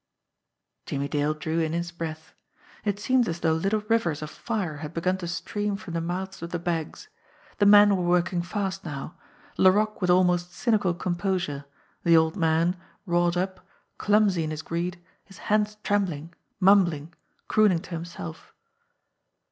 Jimmie Dale drew in his breath. It seemed as though little rivers of fire had begun to stream from the mouths of the bags. The men were working fast now; Laroque with al most cynical composure ; the old man, wrought up, clumsy in his greed, his hands trembling, mumbling, crooning to himself.